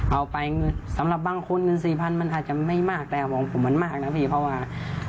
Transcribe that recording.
เอาไปเงินสำหรับบางคนเงินสี่พันมันอาจจะไม่มากแต่ของผมมันมากนะพี่เพราะว่า